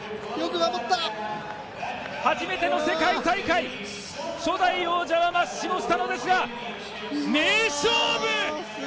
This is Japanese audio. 初めての世界大会初代王者はマッシモ・スタノですが名勝負！